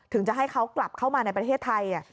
จะให้เขากลับเข้ามาในประเทศไทย